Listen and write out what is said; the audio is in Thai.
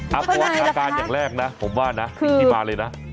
ขออนุญาคาร์ดอาการอาการอย่างแรกผมว่านะอิบารเลยนะ